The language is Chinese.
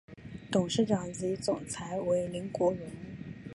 董事长及总裁为林国荣。